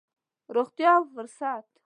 روغتيا او فرصت.